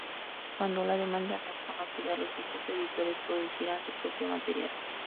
Cuándo la demanda no es conocida, los grupos editores producirán su propio material.